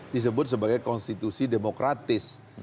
disebut sebagai konstitusi demokratis